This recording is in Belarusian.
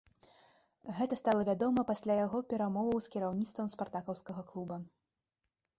Гэта стала вядома пасля яго перамоваў з кіраўніцтвам спартакаўскага клуба.